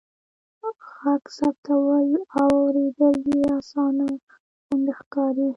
ږغ ثبتول او اوریدل يې آسانه غوندې ښکاري.